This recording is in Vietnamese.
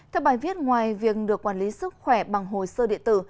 theo bài viết ngoài việc được quản lý sức khỏe bằng hồ sơ địa tử